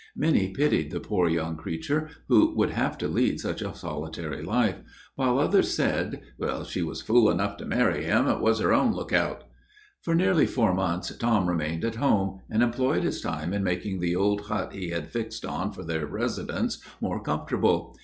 Many pitied the poor young creature, who would have to lead such a solitary life; while others said, "If she was fool enough to marry him, it was her own look out." For nearly four months Tom remained at home, and employed his time in making the old hut he had fixed on for their residence more comfortable.